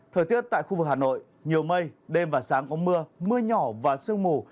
thời tiết tại khu vực hà nội nhiều mây đêm và sáng có mưa mưa nhỏ và sương mù